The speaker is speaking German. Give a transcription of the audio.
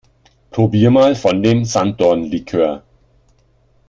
Probier mal von dem Sanddornlikör!